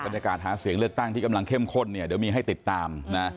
หาเสียงเลือกตั้งที่กำลังเข้มข้นเนี่ยเดี๋ยวมีให้ติดตามนะ